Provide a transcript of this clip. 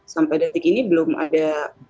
sampai detik ini belum ada